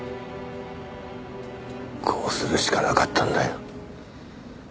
こうするしかなかったんだよ。